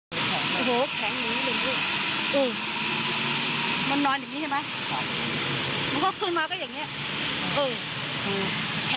โอ้โหแข็งหนูมันนอนอย่างงี้ใช่ไหมมันก็ขึ้นมาก็อย่างงี้เออ